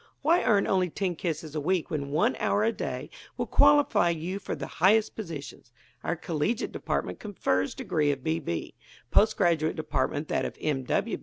Why earn only ten kisses a week when one hour a day will qualify you for the highest positions? Our Collegiate Department confers degree of B. B.; Post Graduate Department that of M.